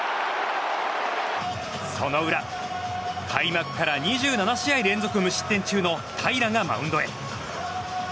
その裏、開幕から２７試合連続無失点中の平良がマウンドへ。